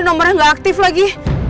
nomornya gak aktif lagi